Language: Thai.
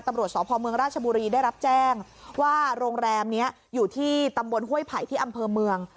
ตำรวจสพเมืองราชบุรีได้รับแจ้งว่าโรงแรมนี้อยู่ที่ตำบลห้วยไผ่ที่อำเภอเมือง